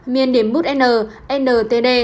miền điểm bút